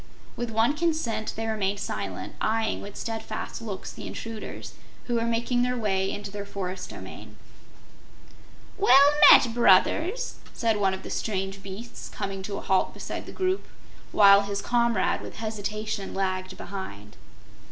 With one consent they remained silent, eyeing with steadfast looks the intruders, who were making their way into their forest domain. "Well met, Brothers!" said one of the strange beasts, coming to a halt beside the group, while his comrade with hesitation lagged behind.